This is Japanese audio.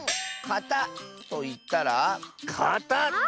「かた」といったら。